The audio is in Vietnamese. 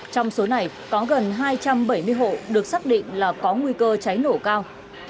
trong số này có gần hai trăm bảy mươi hộ được xác định là có nguy cơ cháy nổ cao